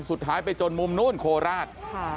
สุดท้ายไปจนมุมนู้นโคราช